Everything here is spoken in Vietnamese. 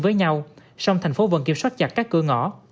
với nhau song thành phố vẫn kiểm soát chặt các cửa ngõ